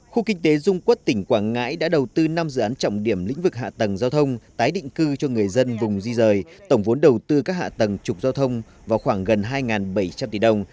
khu kinh tế dung quốc tỉnh quảng ngãi đã đầu tư năm dự án trọng điểm lĩnh vực hạ tầng giao thông tái định cư cho người dân vùng di rời tổng vốn đầu tư các hạ tầng trục giao thông vào khoảng gần hai bảy trăm linh tỷ đồng